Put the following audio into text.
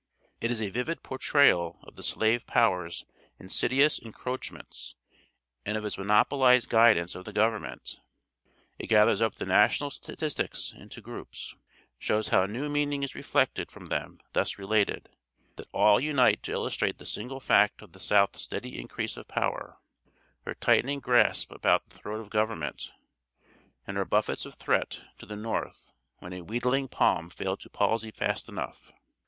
It is a vivid portrayal of the slave power's insidious encroachments, and of its monopolized guidance of the Government. It gathers up the national statistics into groups, shows how new meaning is reflected from them thus related, that all unite to illustrate the single fact of the South's steady increase of power, her tightening grasp about the throat of government, and her buffets of threat to the North when a weedling palm failed to palsy fast enough.